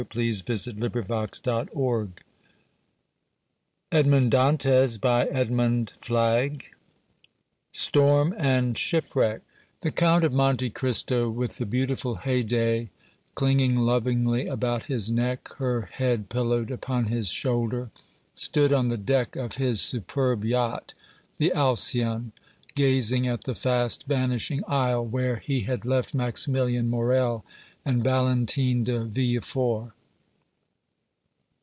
THE SEQUEL TO THE COUNT OF MONTE CRISTO. CHAPTER I. STORM AND SHIPWRECK. The Count of Monte Cristo, with the beautiful Haydée clinging lovingly about his neck, her head pillowed upon his shoulder, stood on the deck of his superb yacht, the Alcyon, gazing at the fast vanishing isle where he had left Maximilian Morrel and Valentine de Villefort.